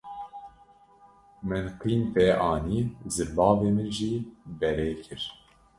Min qîm pê anî; zirbavê min jî berê kir.